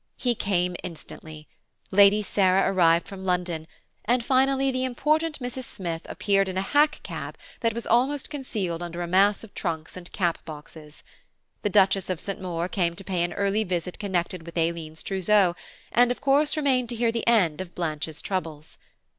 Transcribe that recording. He came instantly; Lady Sarah arrived from London; and finally, the important Mrs. Smith appeared in a hack cab that was almost concealed under a mass of trunks and cap boxes. The Duchess of St. Maur came to pay an early visit connected with Aileen's trousseau, and of course remained to hear the end of Blanche's troubles.